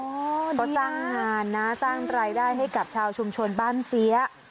ก็สร้างงานนะสร้างรายได้ให้กับชาวชุมชนบ้านเสีย